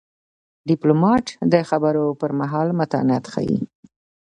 ډيپلومات د خبرو پر مهال متانت ښيي.